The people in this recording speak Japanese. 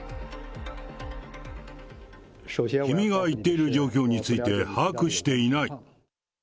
君が言っている状況について把握していない。